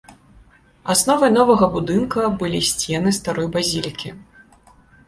Асновай новага будынка былі сцены старой базілікі.